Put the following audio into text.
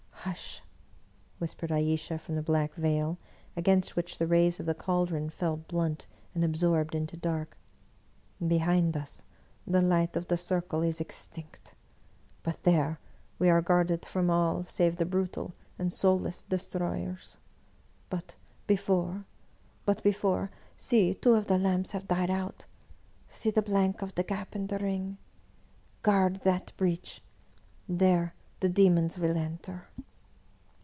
" Hush !" whispered Ayesha, from the black veil, against which the rays of the caldron fell blunt, and ab sorbed into Dark. " Behind us, the light of the circle is extinct ; but there, we are guarded from all save the brutal and soulless destroyers. But, l^efore! — ^but, before! — see, two of the lamps have died out !— see the blank of the gap in the ring! Guard that breach — ^there the demons will enter."